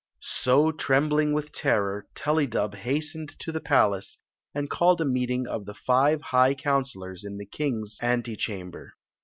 bo, uembling with terror, Tullydub hastened to the palace and caMcd a meeting of the five high coun selors in the kings s ?tt chamber.